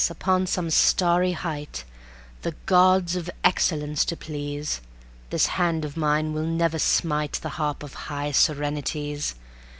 upon some starry height, The Gods of Excellence to please, This hand of mine will never smite The Harp of High Serenities.